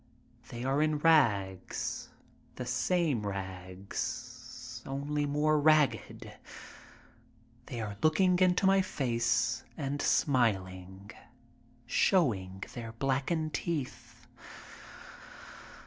They are in rags, the same rags, only more ragged. They are looking into my face and smiling, showing their blackened teeth.